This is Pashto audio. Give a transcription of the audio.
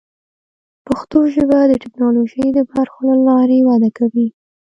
پښتو ژبه د ټکنالوژۍ د برخو له لارې وده کوي.